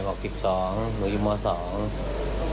บอก๑๒หนูอยู่โมสต์๒